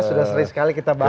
sudah sering sekali kita bahas